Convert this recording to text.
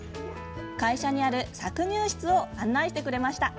会社にある搾乳室を案内してくれました。